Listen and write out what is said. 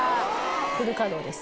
フル稼働です。